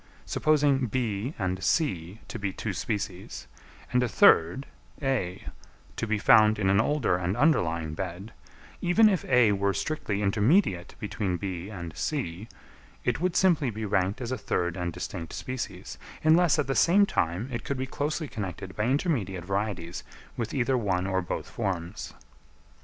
Supposing B and C to be two species, and a third, A, to be found in an older and underlying bed; even if A were strictly intermediate between B and C, it would simply be ranked as a third and distinct species, unless at the same time it could be closely connected by intermediate varieties with either one or both forms.